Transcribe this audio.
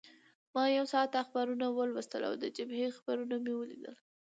ما یو ساعت اخبارونه ولوستل او د جبهې خبرونه مې ولیدل.